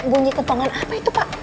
bunyi ketongan apa itu